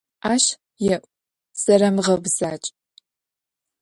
Ащ еӀу, зерэмыгъэбзадж.